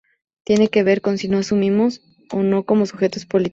Tiene que ver con si nos asumimos o no como sujetos políticos.